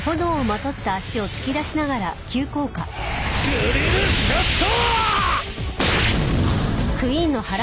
グリルショット！！